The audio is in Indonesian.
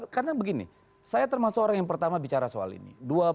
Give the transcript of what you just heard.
karena begini saya termasuk orang yang pertama bicara soal ini